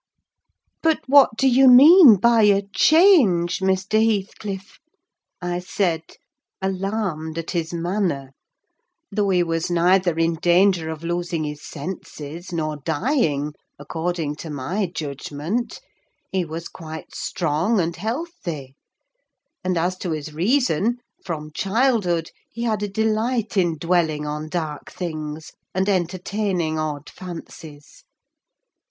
"But what do you mean by a change, Mr. Heathcliff?" I said, alarmed at his manner: though he was neither in danger of losing his senses, nor dying, according to my judgment: he was quite strong and healthy; and, as to his reason, from childhood he had a delight in dwelling on dark things, and entertaining odd fancies.